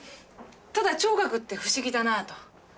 ただ聴覚って不思議だなぁと。